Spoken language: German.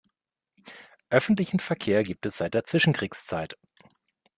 Öffentlichen Verkehr gibt es seit der Zwischenkriegszeit.